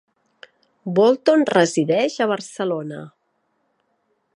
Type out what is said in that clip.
Bolton resideix a Barcelona.